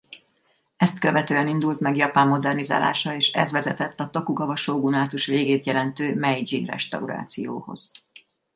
Ezt követően indult meg Japán modernizálása és ez vezetett a Tokugava-sógunátus végét jelentő Meidzsi-restaurációhoz.